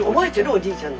おじいちゃん」。